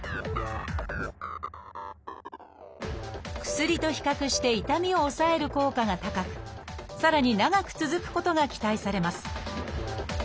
薬と比較して痛みを抑える効果が高くさらに長く続くことが期待されます。